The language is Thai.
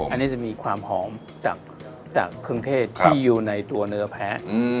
อันนี้จะมีความหอมจากเครื่องเทศที่อยู่ในตัวเนื้อแพ้